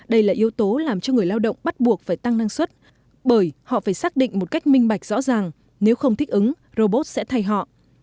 đây là yếu tố làm cho người lao động bắt buộc phải tăng năng suất bởi họ phải xác định một cách minh bạch rõ ràng nếu không thích ứng robot sẽ thay họ